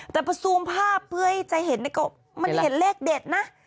แต่พอซูมภาพเพื่อให้จะเห็นก็มันเห็นเลขเด็ดนะ